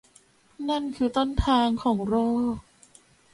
นั่นคือต้นทางของโรค